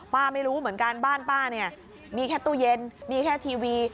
ไม่รู้เหมือนกันบ้านป้าเนี่ยมีแค่ตู้เย็นมีแค่ทีวี